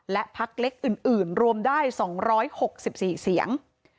และพักเล็กอื่นอื่นรวมได้สองร้อยหกสิบสี่เสียง